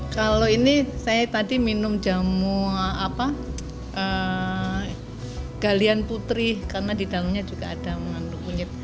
kalau ini saya tadi minum jamu galian putri karena di dalamnya juga ada mengandung kunyit